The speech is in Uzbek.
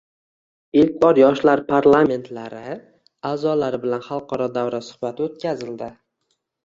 Ilk bor Yoshlar parlamentlari aʼzolari bilan xalqaro davra suhbati oʻtkazildi.